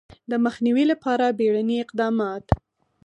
د مخنیوي لپاره بیړني اقدامات